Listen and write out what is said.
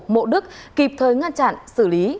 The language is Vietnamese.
mộ đức kịp thời ngăn chặn xử lý